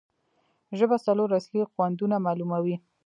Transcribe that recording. ژبه څلور اصلي خوندونه معلوموي.